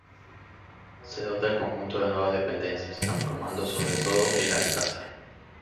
Se dota al conjunto de nuevas dependencias, transformando sobre todo El Alcázar.